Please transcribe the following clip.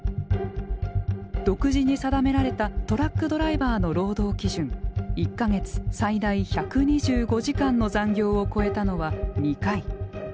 独自に定められたトラックドライバーの労働基準１か月最大１２５時間の残業を超えたのは２回。